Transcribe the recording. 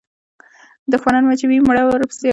دوښمنان مې چې وي مړه ورپسې ژاړم.